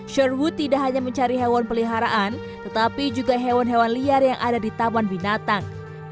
sherwood tidak hanya mencari hewan peliharaan tetapi juga hewan hewan liar yang ada di taman binatang